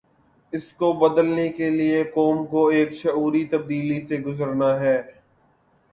اس کو بدلنے کے لیے قوم کو ایک شعوری تبدیلی سے گزرنا ہے۔